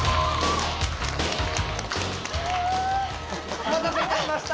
・お待たせいたしました！